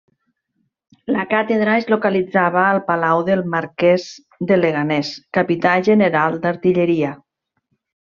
La càtedra es localitzava al Palau del Marquès de Leganés, Capità General d'Artilleria.